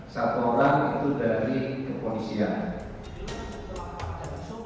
satu orang itu dari kepolisian